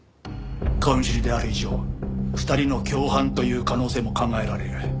顔見知りである以上２人の共犯という可能性も考えられる。